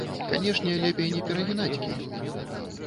Канешне, лепей не перагінаць кій.